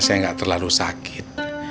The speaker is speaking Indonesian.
saya enggak terlalu sakit